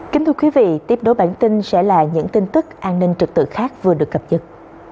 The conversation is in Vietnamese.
kính thưa quý vị tiếp đối bản tin sẽ là những tin tức an ninh trực tự khác vừa được cập nhật